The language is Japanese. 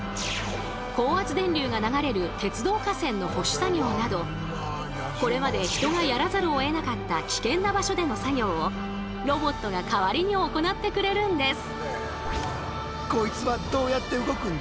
高圧電流が流れる鉄道架線の保守作業などこれまで人がやらざるをえなかった危険な場所での作業をロボットが代わりに行ってくれるんです。